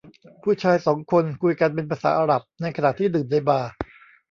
ผู้ชายสองคนคุยกันเป็นภาษาอาหรับในขณะที่ดื่มในบาร์